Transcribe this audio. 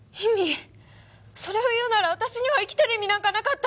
それを言うなら私には生きてる意味なんかなかった！